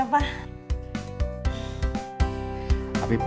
pak makasih ya pak